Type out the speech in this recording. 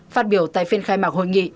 phát biểu tại phiên khai mạc hội nghị